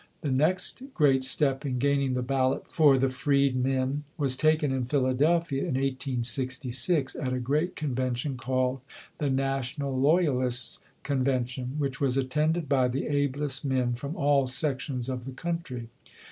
The next great step in gaining the ballot for the f reed men was taken in Philadelphia in 1866, at a great convention called the "National Loyalists' Con 36 ] UNSUNG HEROES vention", which was attended by the ablest men from all sections of the country.